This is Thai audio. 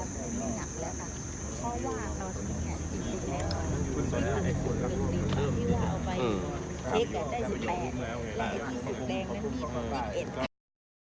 เพราะฉะนั้นตอนนี้อะไรแล้วแต่ที่มีการที่ทำให้มีปัญหาหรือว่าอุปสรรค